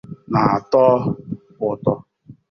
na-atọ ụtọ